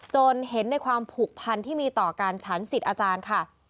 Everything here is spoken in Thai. จนเห็นในความผูกพันที่มีต่อการฉันสิทธิ์อาจารย์ค่ะ